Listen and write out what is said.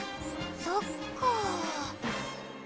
そっか。